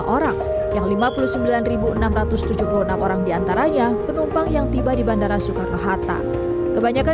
orang yang lima puluh sembilan enam ratus tujuh puluh enam orang diantaranya penumpang yang tiba di bandara soekarno hatta kebanyakan